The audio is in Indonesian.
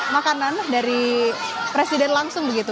makanan dari presiden langsung begitu